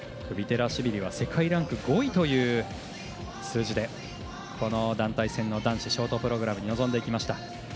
クビテラシビリは世界ランク５位という数字で団体戦男子ショートプログラムに臨んでいきました。